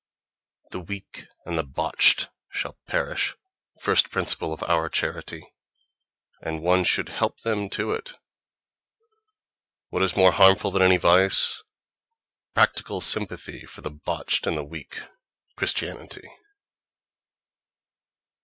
The weak and the botched shall perish: first principle of our charity. And one should help them to it. What is more harmful than any vice?—Practical sympathy for the botched and the weak—Christianity....